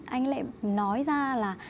anh lại nói ra là